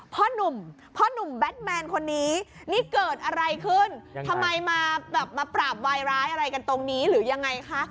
หนุ่มพ่อหนุ่มแบทแมนคนนี้นี่เกิดอะไรขึ้นทำไมมาแบบมาปราบวายร้ายอะไรกันตรงนี้หรือยังไงคะ